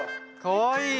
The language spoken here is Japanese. かわいい。